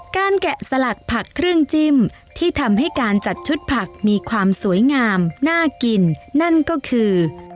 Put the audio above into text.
แกะสลักผักเครื่องจิ้มที่ทำให้การจัดชุดผักมีความสวยงามน่ากินนั่นก็คือ